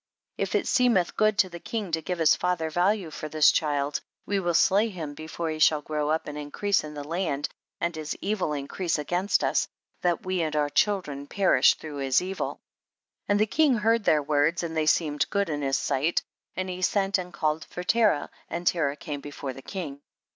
13. If it seemeth good to the king to give his father value for this child, we will slay him before he shall grow up and increase in the land, and his evil increase against us, that we and our children perish through his evil. 14. And the king heard their words and they seemed good in his sight, and he sent and called for Terah, and Terah came before the king.